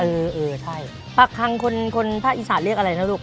เออเออใช่ปากคังคนคนภาคอีสานเรียกอะไรนะลูก